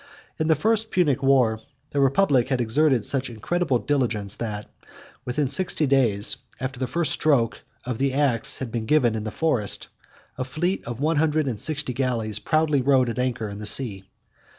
In the first Punic war, the republic had exerted such incredible diligence, that, within sixty days after the first stroke of the axe had been given in the forest, a fleet of one hundred and sixty galleys proudly rode at anchor in the sea.